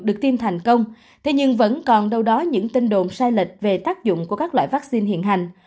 được tiêm thành công thế nhưng vẫn còn đâu đó những tin đồn sai lệch về tác dụng của các loại vaccine hiện hành